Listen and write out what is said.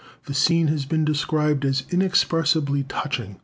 This scene has been described as inexpressibly touching.